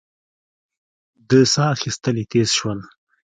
د سا اخېستل يې تېز شول.